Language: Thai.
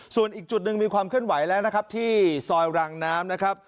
ส่วนอีกจุดนึงมีความเคลื่อนไหวแล้วที่สอยรางน้ำ